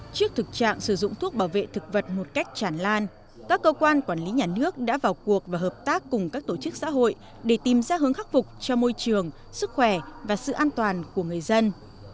trước thực trạng sử dụng thuốc bảo vệ thực vật một cách chản lan các cơ quan quản lý nhà nước đã vào cuộc và hợp tác cùng các tổ chức xã hội để tìm ra hướng khắc phục cho môi trường sức khỏe và sự an toàn của người dân